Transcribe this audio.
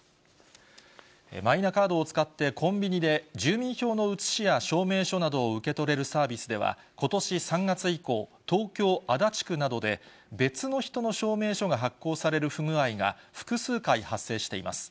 マイナカードを使ってコンビニで住民票の写しや証明書などを受け取れるサービスでは、ことし３月以降、東京・足立区などで、別の人の証明書が発行される不具合が、複数回発生しています。